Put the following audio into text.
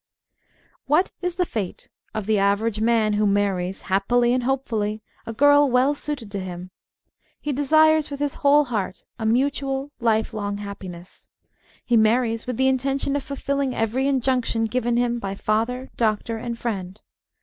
WHAT is the fate of the average man who marries, happily and hopefully, a girl well suited to him ? He desires with his whole heart a mutual, life long happiness. He marries with the intention of fulfilling every injunction given him by father, doctor, and friend.